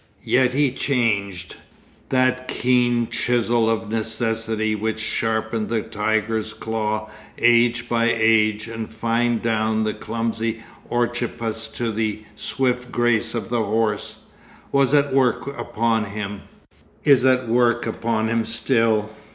Yet he changed. That keen chisel of necessity which sharpened the tiger's claw age by age and fined down the clumsy Orchippus to the swift grace of the horse, was at work upon him—is at work upon him still.